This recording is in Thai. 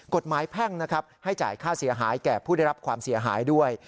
แพ่งนะครับให้จ่ายค่าเสียหายแก่ผู้ได้รับความเสียหายด้วย